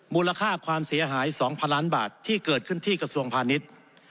มูลค่าความเสียหาย๒๐๐ล้านบาทที่เกิดขึ้นที่กระทรวงพาณิชย์